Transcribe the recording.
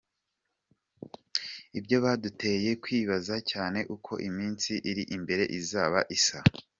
Ibyo byaduteye kwibaza cyane uko iminsi iri imbere izaba isa.